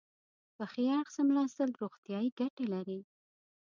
په ښي اړخ څملاستل روغتیایي ګټې لري.